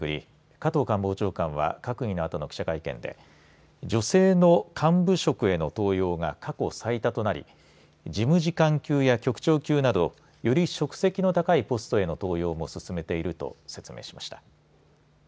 加藤官房長官は閣議のあとの記者会見で女性の幹部職への登用が過去最多となり事務次官級や局長級などより職責の高いポストへの登用も進めていると説明しました。